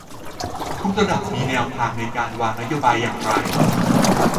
ทุกระดับว่ามีแนวทางในการวางนโยบายอย่างไร